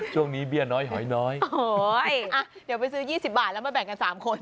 ช่วงนี้เบี้ยน้อยหอยน้อยอ๋อเดี๋ยวไปซื้อ๒๐บาทแล้วมาแบ่งกัน๓คน